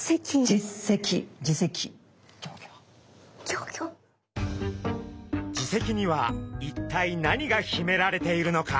耳石には一体何がひめられているのか？